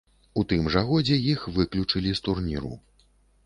У тым жа годзе іх выключылі з турніру.